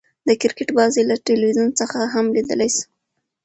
د کرکټ بازۍ له تلویزیون څخه هم ليدلاى سو.